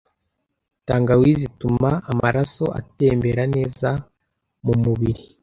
Tangawizi ituma amaraso atembera neza mu mubiri